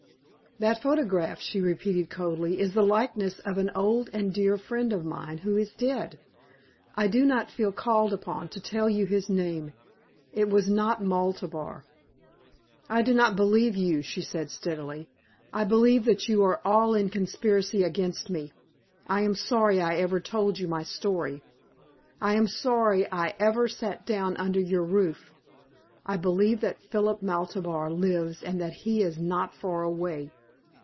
"That photograph," she repeated, coldly, "is the likeness of an old and dear friend of mine who is dead. I do not feel called upon to tell you his name. It was not Maltabar." "I do not believe you," she said, steadily. "I believe that you are all in a conspiracy against me. I am sorry I ever told you my story. I am sorry I ever sat down under your roof. I believe that Philip Maltabar lives and that he is not far away.